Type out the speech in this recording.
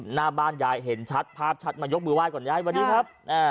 หน้าบ้านยายเห็นชัดภาพชัดมายกมือไห้ก่อนยายสวัสดีครับ